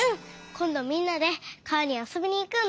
こんどみんなで川にあそびにいくんだ！